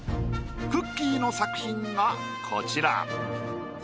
くっきー！の作品がこちら。